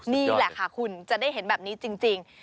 นี่แหละค่ะคุณจะได้เห็นแบบนี้จริง